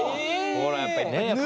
ほらやっぱり。